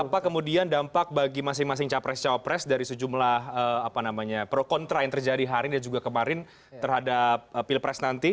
apa kemudian dampak bagi masing masing capres capres dari sejumlah pro kontra yang terjadi hari ini dan juga kemarin terhadap pilpres nanti